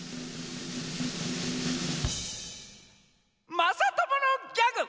まさとものギャグ「